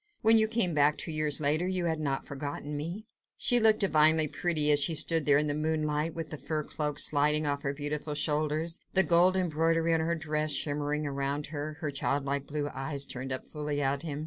When you came back two years later you had not forgotten me." She looked divinely pretty as she stood there in the moonlight, with the fur cloak sliding off her beautiful shoulders, the gold embroidery on her dress shimmering around her, her childlike blue eyes turned up fully at him.